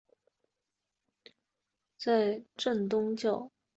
在东正教和新教之间也存在不同程度的合一与分裂。